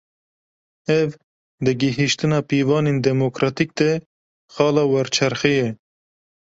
Ev, di gihîştina pîvanên demokratîk de, xala werçerxê ye